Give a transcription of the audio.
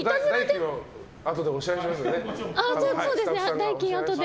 代金、あとで。